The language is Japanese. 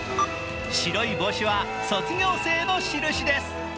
白い帽子は卒業生の印です。